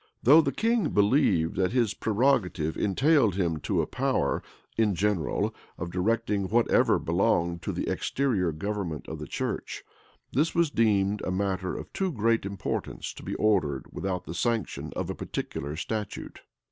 Though the king believed that his prerogative entitled him to a power, in general, of directing whatever belonged to the exterior government of the church, this was deemed a matter of too great importance to be ordered without the sanction of a particular statute.